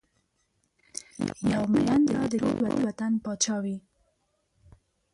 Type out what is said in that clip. یو ميېن به ددې ټول وطن پاچا وي